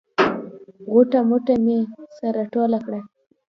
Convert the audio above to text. غوټه موټه مې سره ټوله کړه.